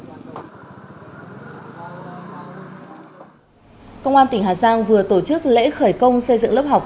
công an tỉnh hà giang vừa tổ chức lễ khởi công xây dựng lớp học